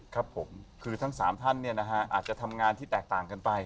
ครับผมคือทั้งสามท่านเนี่ยนะฮะอาจจะทำงานที่แตกต่างกันไป